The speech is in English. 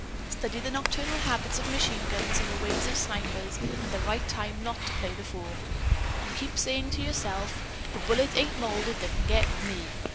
Study the nocturnal habits of machine guns and the ways of snipers and the right time not to play the fool. And keep saying to yourself: 'The bullet ain't molded that can get ME!'